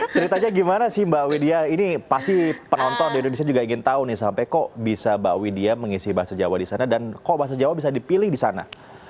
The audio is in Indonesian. ceritanya gimana sih mbak widya ini pasti penonton di indonesia juga ingin tahu nih sampai kok bisa mbak widya mengisi bahasa jawa di sana dan kok bahasa jawa bisa dipilih di sana